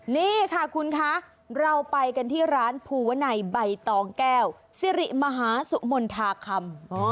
นี่ค่ะคุณคะเราไปกันที่ร้านภูวนัยใบตองแก้วสิริมหาสุมนธาคำ